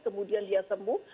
kemudian dia sembuh